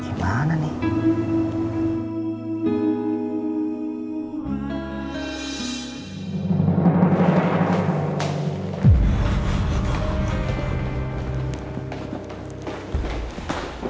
tidak ada yang bisa diharapkan